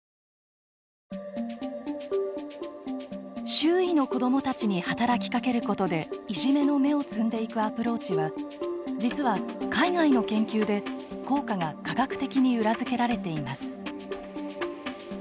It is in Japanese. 周囲の子どもたちに働きかけることでいじめの芽を摘んでいくアプローチは実は海外の研究で効果が科学的に裏付けられています。